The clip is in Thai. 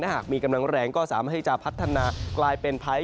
หากมีกำลังแรงก็สามารถที่จะพัฒนากลายเป็นพายุ